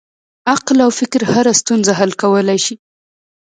عقل او فکر هره ستونزه حل کولی شي.